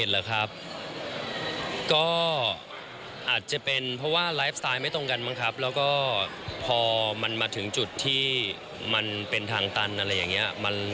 แล้วก็พอมันมาถึงจุดที่มันเป็นทางตันอะไรอย่างเงี้ย